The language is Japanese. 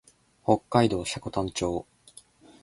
北海道積丹町